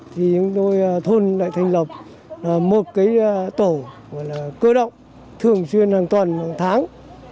thì thôn đã thành lập một cái tổ cơ động thường xuyên hàng tuần hàng tháng